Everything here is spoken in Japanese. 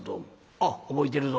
「あっ覚えてるぞ。